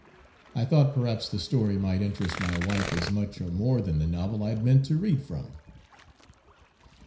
I thought perhaps the story might interest my wife as much or more than the novel I had meant to read from.